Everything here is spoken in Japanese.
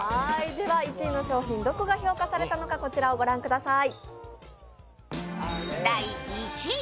１位の商品どこが評価されたのかこちらをご覧ください。